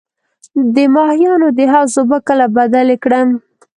د ماهیانو د حوض اوبه کله بدلې کړم؟